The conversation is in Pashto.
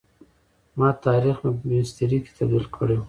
ما تاریخ مې په میسترې کي تبد یل کړی وو.